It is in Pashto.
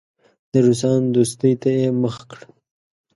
د روسانو دوستۍ ته یې مخه کړه.